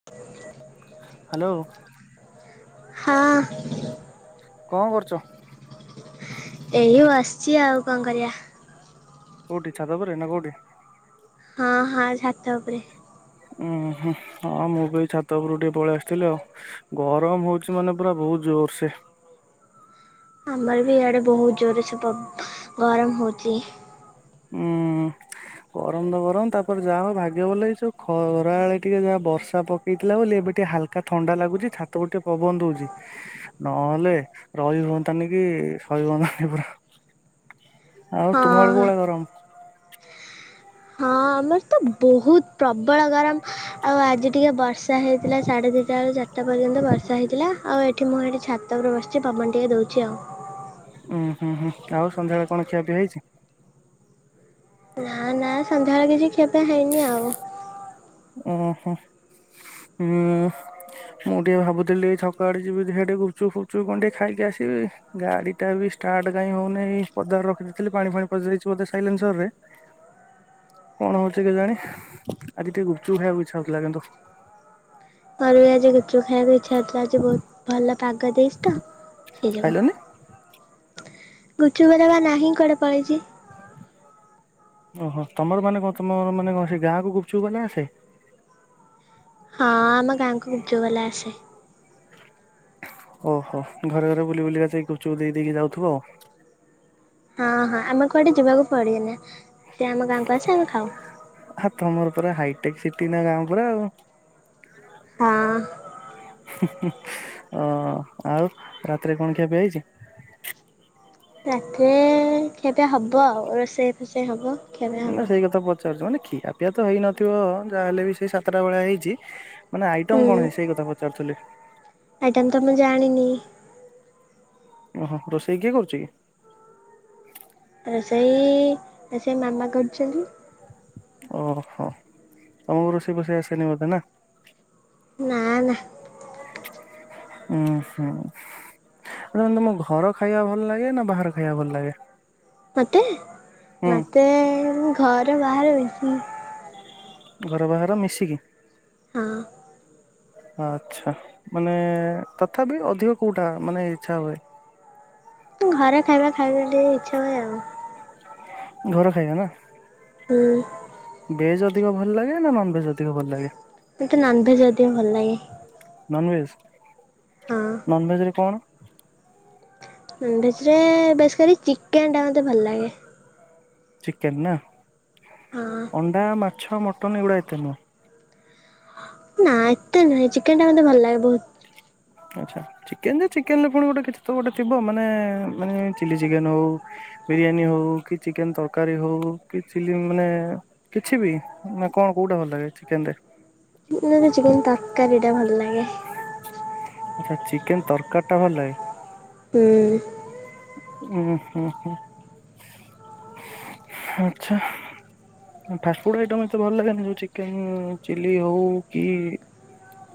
[inaudible] Hello ହଁ କଣ କରୁଚ? ଏଇ ଵସିଛି ଆଉ କଣ କରିବା? କୋଉଠି ଛାତ ଓପରେ ନା କୋଉଠି? ହଁ ହଁ ଛାତ ଉପରେ। ଉୁଁ ହୁଁ ହଁ ମୁଁ ବି ଛାତ ଉପରୁ ଟିକେ ପଳେଇ ଆସିଥିଲି ଆଉ। ଗରମ ହଉଚି ମାନେ ପୁରା ବହୁତ୍ ଜୋର ସେ ଆମର ବି ଇଆଡେ ବହୁତ୍ ଜୋର ସେ ଗରମ ହଉଚି। ଉଁ ଗରମ ତ ଗରମ ତାପରେ ଯାହା ହ ଭାଗ୍ୟ ଭଲ ଏଇ ଯୋଉ ଖରାବେଳେ ଟିକେ ଯାହା ବର୍ଷା ପକ ପକେଇଥିଲା ବୋଲି ଏବେ ଟିକେ ହାଲ୍କା ଥଣ୍ଡା ଲାଗୁଛି ଛାତକୁ ଟିକେ ପବନ ଦଉଚି। ନହେଲେ ରହି ହୁଅନ୍ତାନି କି ସଇ ହୁଅନ୍ତାନି ପୁରା ଆଉ ତୁମ ଆଡେ କୋଉ ହଁ। ଭଳିଆ ଗରମ? ହଁ ଆମର ତ ବହୁତ୍ ପ୍ରବଳ ଗରମ ଆଉ ଆଜି ଟିକେ ବର୍ଷା ହେଇଥିଲା ସାଢ଼େ ଦୁଇଟାରୁ ଚାରିଟା ପର୍ଯ୍ୟନ୍ତ ବର୍ଷା ର୍ଷା ହେଇଥିଲା ଆଉ ଏଠି ମୁଁ ଏଠି ଛାତ ଉପରେ ବସିଛି ପବନ ଟିକେ ଦଉଛି ଆଉ। ଉୁଁ ହୁଁ ହୁଁ ଆଉ ସନ୍ଧ୍ୟାବେଳେ କଣ ଖିଆ ପିଆ ହେଇଛି? ନା ନା ସନ୍ଧ୍ୟାବେଳେ କିଛି ଖିଆ ପିଆ ହେଇନି ଆଉ। ଓହୋଃ ହୁଁ। ମୁଁ ଟିକେ ଭାବୁଥିଲି ଛକ ଆଡେ ଯିବି ଦେଖିଆ ଟିକେ ଗୁପଚୁପ୍ ଫୁପଚୁପ୍ କଣ ଟିକେ ଖାଇକି ଆସିବି। ଗାଡି ଟା ବି ଷ୍ଟାର୍ଟ କାଇଁ ହଉନେଇ ପଦାରେ ରଖିଦେଇଥିଲି ପାଣି ଫାଣି ପଶିଯାଇଛି ବୋଧେ ସାଇଲେନ୍ସର ରେ। କଣ ହଉଛି କେଜାଣି ଆଜି ଟିକେ ଗୁପଚୁପ ଖାଇବାକୁ ଇଚ୍ଛା ହଉଥିଲା କିନ୍ତୁ। ମୋର ବି ଆଜି ଗୁପଚୁପ ଖାଇବା କୁ ଇଚ୍ଛା ହଉଥିଲା ଆଜି ବହୁତ ଭଲ ପାଗ ଦେଇଛି ତ ସେଇ ଯୋଗୁ ଖାଇଲନି ଗୁପଚୁପ ବାଲା ବା ନାହିଁ କୁଆଡେ ପଳେଇଛି। ଓହୋ ତମର ମାନେ କଣ ତମର ମାନେ କଣ ସେଇ ଗାଁକୁ ଗୁପଚୁପ ବାଲା ଆସେ? ହଁ ଆମ ଗାଁ କୁ ଗୁପଚୁପ ବାଲା ଆସେ। ଓହୋ ଘରେ ଘରେ ବୁଲି ବୁଲିକା ଯାଇ ଗୁପଚୁପ୍ ଦେଇକି ଯାଉଥିବ ଆଉ। ହଁ ହଁ ଆମକୁ କୁଆଡ଼େ ଯିବାକୁ ପଡେନା ସେ ଆମ ଗାଁକୁ ଆସେ ଆମେ ଖାଉ। ଆ ତମର ପୁରା ହାଇଟେକ୍ ସିଟି ନା ଗାଁ ପୁରା ଆଉ। ହଁ ହୁଁ ହୁଁ। ହଁ ଆଉ ରାତିରେ କଣ ଖିଆପିଆ ହେଇଛି? ରାତିରେ ଖିଆପିଆ ହବ ଆଉ ରୋଷେଇ ଫୋସେଇ ହବ। ଖିଆପିଆ ହବ। ନା ସେଇ କଥା ପଚାରୁଚି ମାନେ ଖିଆପିଆ ତ ହେଇନଥିବ ଯାହାହେଲେ ବି ସେଇ ସାତଟା ଭଳିଆ ହେଇଛି। ମାନେ ଆଇଟମ କଣ ହେଇଛି ସେଇ କଥା ପଚାରୁଥିଲି? ଆଇଟମ ତ ମୁଁ ଜାଣିନି। ଓହୋ ରୋଷେଇ କିଏ କରୁଛି କି? ରୋଷେଇ ରୋଷେଇ ମାମା କରୁଛନ୍ତି। ଓହୋ ତମକୁ ରୋଷେଇ ଫୋଷେଇ ଆସେନି ବୋଧେ ନା? ନା ନା। ଉଁ ହୁଁ ତମ ଘର ଖାଇବା ଭଲ ଲାଗେ ନା ବାହାର ଖାଇବା ଭଲ ଲାଗେ? ମତେ ହୁଁ ମତେ ଘର ବାହାର [unintelligible] ଘର ବାହର ମିଶିକି। ହଁ। ଆଚ୍ଛା ମାନେ ତଥାପି ଅଧିକ କୋଉଟା ମାନେ ଇଚ୍ଛା ହୁଏ? ଘରେ ଖାଇବା ଖାଇବା ଟିକେ ଇଚ୍ଛା ହୁଏ ଆଉ। ଘର ଖାଇବା ନା। ହୁଁ। ଭେଜ୍ ଅଧିକ ଭଲ ଲାଗେ ନା ନନଭେଜ୍ ଅଧିକ ଭଲ ଲାଗେ? ମୋତେ ନନଭେଜ୍ ଅଧିକ ଭଲ ଲାଗେ। ନନଭେଜ ହଁ ନନଭେଜ ରେ କଣ? ନନଭେଜ ରେ ବେଶିକରି ଚିକେନ୍ ଟା ମୋତେ ଭଲ ଲାଗେ। ଚିକେନ୍ ନା ହଁ। ଅଣ୍ଡା ମାଛ ମଟନ୍ ଏଗୁଡ଼ା ଏତେ ନୁହଁ। ନା ଏତେ ନୁହଁ ଚିକେନ ଟା ମତେ ଭଲ ଲାଗେ ବହୁତ। ଆଛା ଚିକେନ ଯେ ଚିକେନ ପୁଣି ଗୋଟେ କିଛି ତ ଗୋଟେ ଥିବ ମାନେ ମାନେ ଚିଲି ଚିକେନ ହଉ। ବିରିୟାନୀ ହଉ କି ଚିକେନ ତରକାରୀ ହଉ କି ଚିଲ୍ଲୀ ମାନେ କିଛି ବି ନା କଣ କୋଉଟା ଭଲ ଲାଗେ ଚିକେନ ରେ? ନା ଚିକେନ ତରକାରୀ ଟା ଭଲ ଲାଗେ। ଆଛା ଚିକେନ ତରକାରୀ ଟା ଭଲ ଲାଗେ। ହୁଁ। ଓ ହୋ ହୋ। ଆଚ୍ଛା। ଫାଷ୍ଟ ଫୁଡ ଆଇଟମ ଏତେ ଭଲ ଲାଗନି ଯୋଉ ଚିକେନ ଚିଲ୍ଲୀ ହଉ କି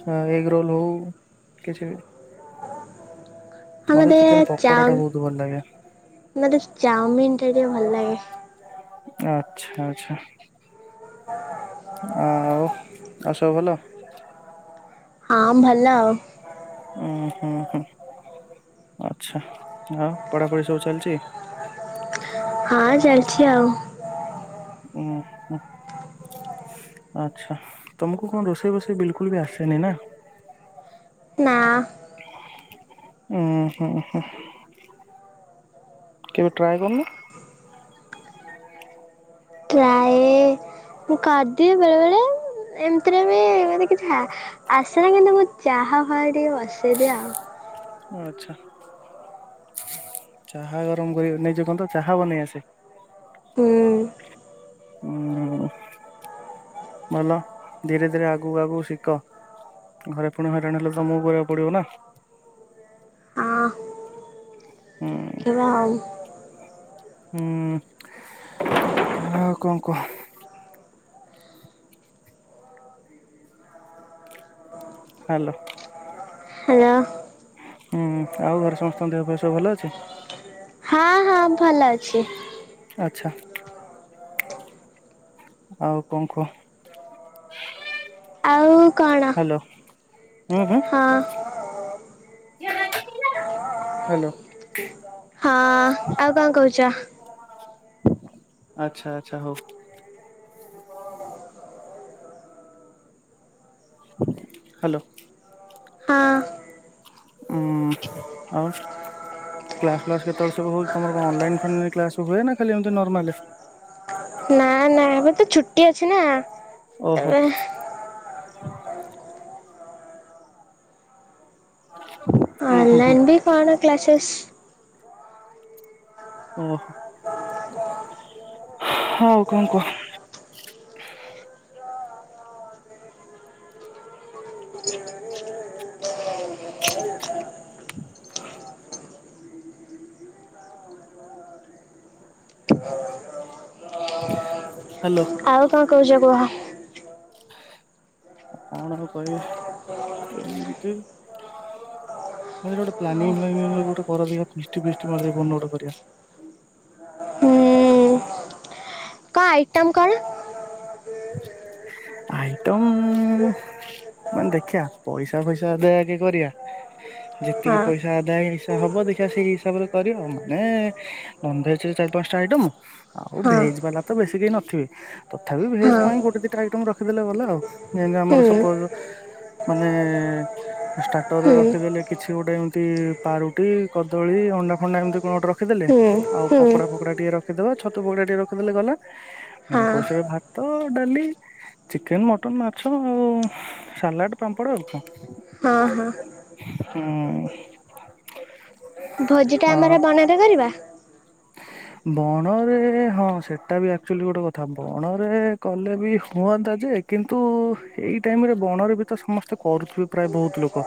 ହ ଏଗ ରୋଲ ହଉ କିଛି ଆମ ମତେ ଦେ ଚିକେନ ଚା ପକୋଡା ଟା ବହୁତ ଭଲ ଲାଗେ ମେ ଚାଉମିନ ଟା ଟିକେ ଭଲ୍ ଲାଗେ। ଆଚ୍ଛା ଆଚ୍ଛା। [inaudible] ଆଉ ଆଉସବୁ ଭଲ? ହଁ ଭଲ ଆଉ। ହୁଁ ହୁଁ ଆଛା ଆଉ ପଢାପଢି ସବୁ ଚାଲିଚି? ହଁ ଚାଲିଚି ଆଉ। ଉଁ ହୁଁ। ଆଚ୍ଛା ତମକୁ କଣ ରୋଷେଇ ବୋଷେଇ ବିଲକୁଲ୍ ବି ଆସେନି ନା? ନାଁ। ଉଁ ହୁଁ ହୁଁ। କେବେ ଟ୍ରାଏ କରନୁ? ଟ୍ରାଏ ମୁଁ କରିଦିଏ ବେଳେ ବେଳେ ଉଁ। ଏମିତିରେ ବି ଏମତି କିଛି ଆସ-ଆସେନା କିନ୍ତୁ ମୁଁ ଚାହା ଫାଆ ଟିକେ ବସେଇ ଦିଏଆଉ। ଆଚ୍ଛା। ଚାହା ଗରମ କରି ନେଇଯ କନ୍ତ ଚାହା ବନେଇ ଆସେ? ହୁଁ। ଉଁ। ଆଁ। [unintelligible] ଧୀରେ ଧୀରେ ଆଗୁକୁ ଆଗୁକୁ ଶିକ। ଘରେ ପୁଣି ହଇରାଣ ହେଲେ ତମକୁ କରିବାକୁ ପଡିବ ନା। ହଁ। ହୁଁ। କିବାଉ। ହୁଁ ଆ କଣ କହ? ହ୍ୟାଲୋ। ହ୍ୟାଲୋ। ହୁଁ ଆଉ ଘରେ ସମସ୍ତଙ୍କ ଦେହ ପାହା ସବୁ ଭଲ ଅଛି? ହଁ ହଁ ଭଲ ଅଛି। ଆଚ୍ଛା। ଆଉ କଣ କୁହ? ଆଉ କଣ? ହ୍ୟାଲୋ, ଉଁ ହୁଁ। ହଁ [unintelligible] ହାଲୋ। ହଁ [inaudible] ଆଉ କଣ କହୁଛ? ଆଚ୍ଛା ଆଚ୍ଛା ହଉ। ହ୍ୟାଲୋ। ହଁ ଉଁ ଆଉ। କ୍ଲାସ୍ ଫ୍ଲାଶ୍ କେତେବେଳେ ସବୁ ହଉଚି ତମର କଣ ଅନାଇନ୍ ଫଲ୍ ଲାଇନ୍ କ୍ଲାସ୍ ସବୁ ହୁଏ ନା ଖାଲି ନରମାଲି? ନା ନା ନାଇଁ ଆମର ତ ଛୁଟି ଅଛି ନା। ଓହୋ। ଏବେ [unintelligible] ହୁଁ [unintelligible] କଣ କ୍ଲାସସ୍। ଓହୋ! ହଉ କଣ କୁହ? [inaudible] ହାଲୋ। ଆଉ କଣ କହୁଛ କୁହ? ଆଣ [unintelligible] ନିହାତି ଗୋଟେ ପ୍ଲାନିଙ୍ଗ ଫ୍ଲାନିଙ୍ଗ ଗୋଟେ କର ଦେଖିବା ପିଷ୍ଟି ଫିଷ୍ଟି କୋଉ ଦିନ ଗୋଟେ କରିବା। କଣଆଇଟମ କଣ? ଆଇଟମ୍ ମାନେ ଦେଖିବା ପଇସା ଫଇସା ଦେଇକି କରିବା। ଯେତିକି ହଁ ପଇସା ଆଦାୟ ଇସା ହବ ଦେଖିବା ସେଇ ହିସାବ ରେ କରିବା ଆଉ ମାନେ ନନ ଭେଜ ରେ ଚାରି ପାଞ୍ଚଟା ଆଇଟମ, ଆଉ ହଁ ଭେଜ ବାଲା ତ ବେଶୀ କେହି ନଥିବେ? ତଥାପି ଭେଜ ହଁ ପାଇଁ ଗୋଟେ ଦିଟା ଆଇଟମ ରଖିଦେଲେ ଗଲାଆଉ, ଯେଏଁନ୍ତି ହୁଁ ଆମର ସପୋଜ ମାନେ ଷ୍ଟାର୍ଟର ରେ ହୁଁ ରଖିଦେଲେ କିଛି ଗୋଟେ ଏମିତି ପାରୁଟି କଦଳୀ ଅଣ୍ଡା ଫଣ୍ଡା ଏମିତି କଣ ଗୋଟେ ରଖିଦେଲେ ହୁଁ ଆଉ ହୁଁ ପକଡା ଫକୋତା ଟିକେ ରଖିଦବା ଛତୁ ପୋଡା ଟିକେ ରଖିଦେଲେ ଗଲା। ହଁ ମେନ କୋର୍ସ ରେ ଭାତ ଡାଲି ଚିକେନ, ମଟନ୍, ମାଛ, ଆଉ ସାଲାଡ, ପାମ୍ପଡ ଆଉ କଣ? ହଁ, ହଁ। ହୁଁ। ଭୋଜି ଟା ଆ ଆମର ବଣରେ କରିବା? ବଣରେ ହଁ ସେଟା ବି ଆକ୍ଚୁଆଲି ଗୋଟେ କଥା, ବଣରେ କଲେ ବି ହୁଅନ୍ତା ଯେ କିନ୍ତୁ ଏଇ ଟାଇମରେ ବଣରେ ବି ତ ସମସ୍ତେ କରୁଥିବେ ପ୍ରାୟ ବହୁତ ଲୋକ।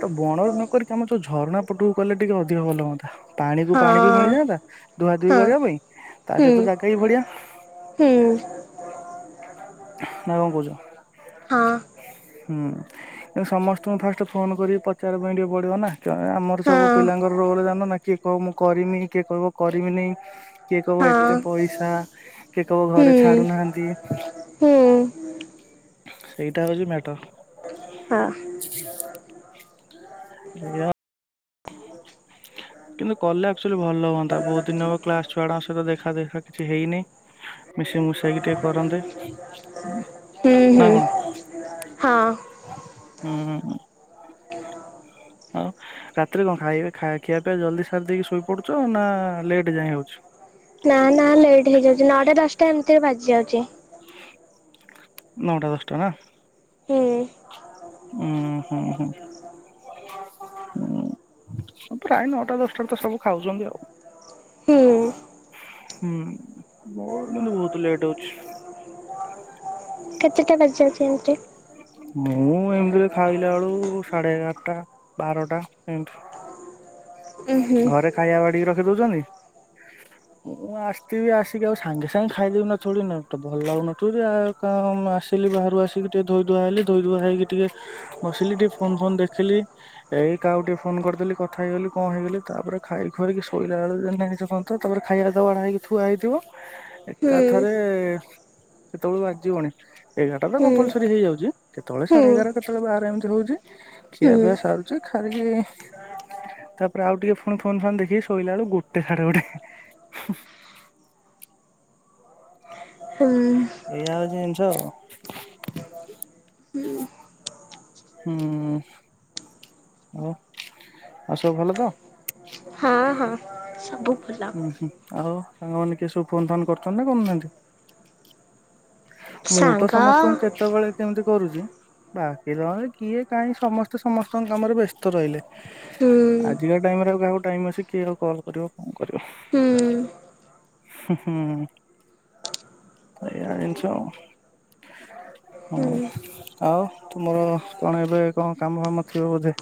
ତ ବଣ ନକିକି ଆମର ଯୋଉ ଝରଣା ପଟୁକୁ ଗଲେ ଟିକେ ଅଧିକ ଭଲ ହୁଅନ୍ତା ପାଣି କୁ ପାଣି ହଁ ମିଳିଯାଆନ୍ତା। ଧୁଆ ଧୁଇ ହଁ କରିବା ପାଇଁ ତା ହୁଁ ସହିତ ଜାଗା ବି ବଢିଆ। ହୁଁ। ନ କଣ କହୁଛ! ହଁ ହୁଁ। ସମସ୍ତଙ୍କୁ ଫାଷ୍ଟ ଫୋନ କରିକି ପଚାରିବା ପାଇଁ ଟିକେ ପଡିବ ନା ଆମର ସବୁ ହଁ ପିଲାଙ୍କର ରୋଲ ଜଣିନ ନନା କି ହେଉଁ ମୁଁ କରିବି କିଏ କହିବ କରିବିିନି କିଏ କହିବ ହଁ ଏତେ ପଇସା କିଏ କହିବ ହୁଁ ଘରେ ଛାଡୁନାହାନ୍ତି ହୁଁ ସେଇଟା ହଉଛି ହଁ ମ୍ୟାଟର। ଆଜ୍ଞା। [inaudible] କିନ୍ତୁ କଲେ ଆକ୍ଚୁଆଲି ଭଲ ହୁଅନ୍ତା ବହୁତ ଦିନ ହେବ କ୍ଲାସ ଛୁଆଡଙ୍କ ସହିତ ଦେଖା ଦେଖା କିଛି ହେଇନି। ମିଶି ମୁଶାଇକି ଟିକେ କରନ୍ତେ। ହୁଁ ହୁଁ ନା କଣ? ହଁ ହୁଁ ହଁ ରାତିରେ କଣ ଖାଇବେ ଖିଆପିଆ ପିଇବା ଜଲ୍ଦି ସାରି ଦେଇକି ଶୋଇପଡ଼ୁଛ। ନା ଲେଟ୍ ଯାଇଏଁ ହେଉଛି? ନା ନା ଲେଟ୍ ହେଇଯାଉଛି ନଅଟା ଦଶଟା ଏମିତିରେ ବାଜିଯାଉଚି। ନଅଟା ଦଶଟା ନା ହୁଁ ଉଁ ହୁଁ ହୁଁ। ପ୍ରାୟ ନଅଟା ଦଶଟାରେ ତ ସବୁ ଖାଉଛନ୍ତି ଆଉ। ହୁଁ। ହୁଁ ହୁଁ, ମୋ କିନ୍ତୁ ବହୁତ ଲେଟ୍ ହଉଛି। କେତେଟା ବ [unintelligible] ମୁଁ ଏମିତିରେ ଖାଇଲା ବେଳକୁ ସାଢେ ଏଗାରଟା ବାରଟା ଏମିତି। ଉଁ ହୁଁ ଘରେ ଖାଇବା ବାଡିକି ରଖି ଦଉଛନ୍ତି। ମୁଁ ଆସିଥିବି ଆସିକି ଆଉ ସାଙ୍ଗେ ସାଙ୍ଗେ ଖାଇଦଉନଥିବ [unintelligible] କ ଆସିଲି ବାହାରୁ ଆସିକି ଟିକେ ଧୋଇ ଧୁଆ ହେଇଲି ଧୋଇ ଧୁଆ ହେଇକି ଟିକେ ବସିଲି ଟିକେ ଫୋନ୍ ଫୋନ୍ ଦେଖିଲି ଏଇ କାହାକୁ ଟିକେ ଫୋନ୍ କରିଦେଲି କଥା ହେଇଗଲି କଣ ହେଇଗଲି ତାପରେ ଖାଇ ଖୁଆକି ଶୋଇଲା ବେଳ [unintelligible] ତାପରେ ଖାଇବାରା ତ ବଢ଼ାହେଇକି ଥୁଆହେଇଥିବ। ଏକାଥରେ ହୁଁ ସେତେବେଳେ ବାଜିବନି। ଏଗାରଟା ତ କମ୍ପଲସରି ହେଇଯାଉଛି କେତେବେଳେ ହୁଁ ହୁଁ ସାଢେ ଏଗାର କେତେବେଳେ ବାର ଏମିତି ହଉଛି। ହୁଁ ଖିଆ ପିଆ ସାରୁଛି ଖାଇିକି ତାପରେ ଆଉ ଟିକେ ପୁଣି ଫୋନ୍ ଫୋନ୍ ଦେଖିକି ଶୋଇଲା ବେଳକୁ ଗୋଟେ ସାଢେ ଗୋଟେ। ହୁଁ ଏଇଆ ହଉଛି ଜିନିଷ। ହୁଁ ହୁଁ ଓ ଆଉ ସବୁ ଭଲ ତ? ହଁ ହଁ ସବୁ ଭଲ। ହୁଁ ହୁଁ ଆଉ ସାଙ୍ଗମାନେ କିଏ ସବୁ ଫୋନ ଫୋନ କରୁଛନ୍ତି ନା କରୁନାହାନ୍ତି। ମୁଁ ତ ସାଙ୍ଗ ସମସ୍ତଙ୍କୁ କେତବେଳେ କେମିତି କରୁଛି ବାକି ରହିଲେ କିଏ କାହିଁ ସମସ୍ତେ ସମସ୍ତଙ୍କ କାମରେ ବ୍ୟସ୍ତ ରହିଲେ। ହୁଁ ଆଜିକା ଟାଇମରେ ଆଉ କାହାକୁ ଟାଇମ୍ ଅଛି କିଏ ଆଉ କଲ୍ କରିବ କଣ କରିବ। ହୁଁ ହୁଁ ହୁଁ ଏଇଆ ଜିନିଷ ହଁ ହୁଁ ଆଉ ତୁମର କଣ ଏବେ କଣ କାମ ଫାମ ଥିବ ବୋଧେ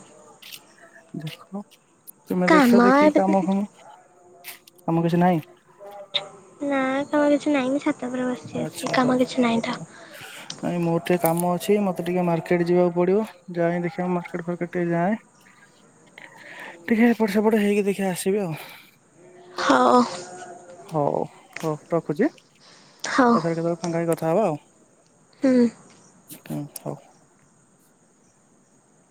ଦେଖ ତୁମେ କାମ ଦେଖ ଦେଖିକି ଏବେ କାମ ଫାମ କାମ କିଛି ନାହିଁ। ନା କାମ କିଛି ନାଇଁ ମୁ ଛାତ ଉପରେ ବସିଛି ଆଚ୍ଛା ଆସି ହଉ। କାମ କିଛି ନାହିଁ ତ। ନାଇଁ ମୋର ଟିକେ କାମ ଅଛି ମତେ ଟିକେ ମାର୍କେଟ ଯିବାକୁ ପଡିବ ଯାଇ ହଁ ଦେଖିବା ମାର୍କେଟ ଫାର୍କେଟ ଟିକେ ଯାଏ। ଟିକେ ଏପଟ ସେପଟ ହେଇକି ଦେଖା ଆସିବି ଆଉ। ହଉ ହୋଉ ହୋଉ ରଖୁଛି। ହଉ ପଛରେ କେତେବେଳେ ଫାଙ୍କା ହେଇ କଥା ହବା ହୁଁ ହଁ ହଉ।